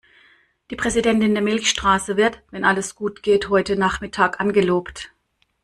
Die Präsidentin der Milchstraße wird, wenn alles gut geht, heute Nachmittag angelobt.